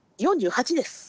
４８です。